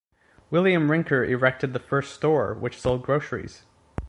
William Rinker erected the first store, which sold groceries.